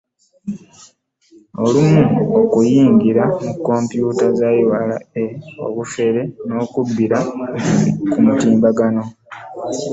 Mulimu okuyingira mu kkompyuta za URA, obufere n'okubbira ku mitimbagano